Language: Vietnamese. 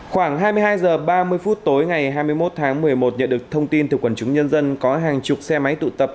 khoảng hai mươi hai h ba mươi phút tối ngày hai mươi một tháng một mươi một nhận được thông tin từ quần chúng nhân dân có hàng chục xe máy tụ tập